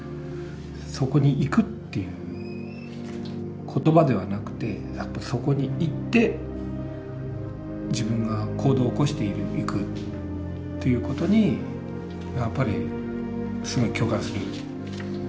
そこに行くっていう言葉ではなくてやっぱそこに行って自分が行動を起こしていくということにやっぱりすごい共感する。